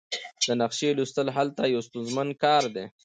د نقشې لوستل هلته یو ستونزمن کار دی